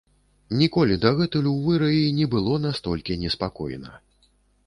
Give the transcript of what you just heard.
Ніколі дагэтуль у выраі не было настолькі неспакойна.